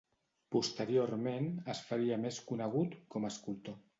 Posteriorment es faria més conegut com a escultor.